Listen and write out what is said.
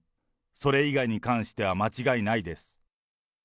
それ以外に関しては間違いないです。